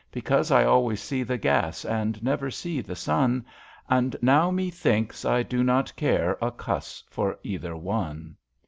Because I always see the gas And never see the sun, And now, methinks, I do not care A cuss for either one.